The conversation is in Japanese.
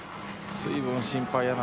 水分心配やな。